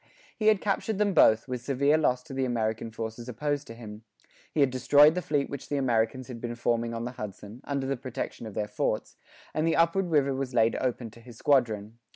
He had captured them both, with severe loss to the American forces opposed to him; he had destroyed the fleet which the Americans had been forming on the Hudson, under the protection of their forts; and the upward river was laid open to his squadron.